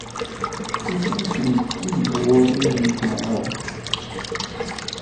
Iffeɣ-itent am bu wuṛiḍ n tmeɣṛa.